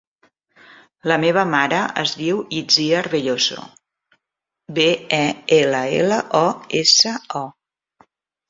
La meva mare es diu Itziar Belloso: be, e, ela, ela, o, essa, o.